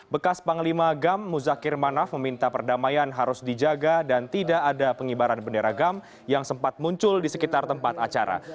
bekas panglima gam muzakir manaf meminta perdamaian harus dijaga dan tidak ada pengibaran bendera gam yang sempat muncul di sekitar tempat acara